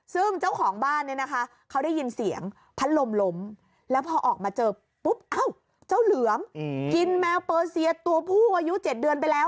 ซึ่งเจ้าของบ้านเนี่ยนะคะเขาได้ยินเสียงพัดลมล้มแล้วพอออกมาเจอปุ๊บเอ้าเจ้าเหลือมกินแมวเปอร์เซียตัวผู้อายุ๗เดือนไปแล้ว